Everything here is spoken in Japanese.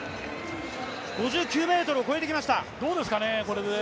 ５９ｍを越えていきました。